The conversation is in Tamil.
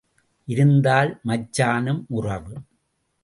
இருந்தால், மச்சானும் உறவு.